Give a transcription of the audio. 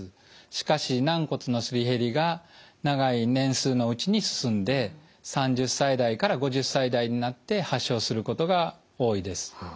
しかし軟骨のすり減りが長い年数のうちに進んで３０歳代から５０歳代になって発症することが多いです。